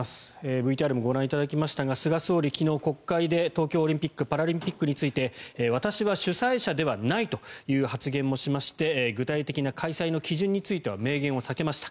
ＶＴＲでもご覧いただきましたが菅総理は昨日、国会で東京オリンピック・パラリンピックについて私は主催者ではないという発言もしまして具体的な開催の基準については明言を避けました。